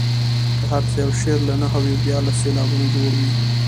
که هر څو یو شعر له نهو او دیارلسو سېلابونو جوړ وي.